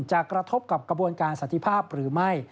กระทบกับกระบวนการสันติภาพหรือไม่